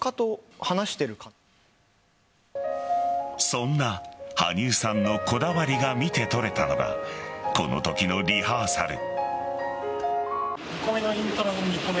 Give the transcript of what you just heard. そんな羽生さんのこだわりが見て取れたのがこのときのリハーサル。